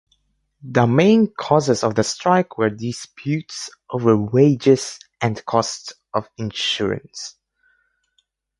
The main causes of the strike were disputes over wages and cost of insurance.